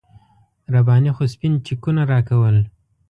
رباني خو سپین چکونه راکول.